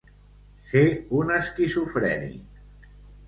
Ser un esquizofrènic.